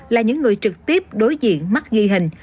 là những người trực tiếp đối diện mắt ghi hình